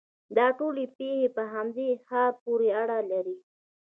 دا ټولې پېښې په همدې ښار پورې اړه لري.